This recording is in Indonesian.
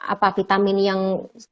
apa vitamin yang